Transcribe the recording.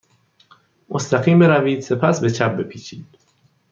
مستقیم بروید. سپس به چپ بپیچید.